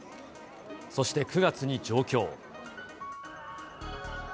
そして９月に上京。